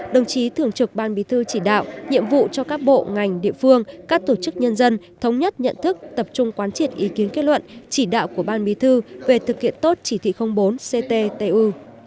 đồng chí thường trực ban bí thư chỉ đạo nhiệm vụ cho các bộ ngành địa phương các tổ chức nhân dân thống nhất nhận thức tập trung quán triệt ý kiến kết luận chỉ đạo của ban bí thư về thực hiện tốt chỉ thị bốn cttu